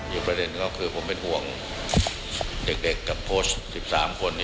ประเด็นก็คือผมเป็นห่วงเด็กกับโค้ช๑๓คน